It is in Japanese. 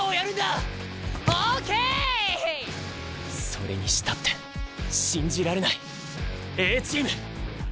それにしたって信じられないＡチーム！